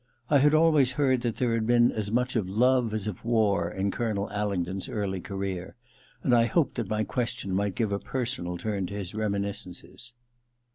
I had always heard that there had been as much of love as of war in Colonel Alingdon's early career, and I hoped that my question might give a personal turn to his reminiscences.